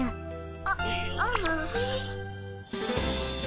あっああ。